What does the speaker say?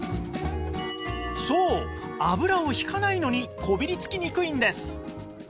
そう油をひかないのにこびりつきにくいんです